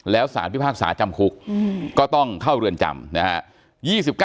แล้วสารพิพากษาจำคุกก็ต้องเข้าเรือนจำนะฮะ